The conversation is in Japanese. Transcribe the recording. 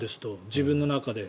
自分の中で。